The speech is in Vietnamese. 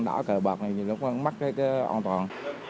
đỏ cờ bạc này thì nó cũng mắc cái an toàn